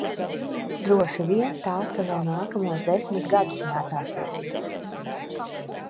Droši vien tās te vēl nākamos desmit gadus mētāsies.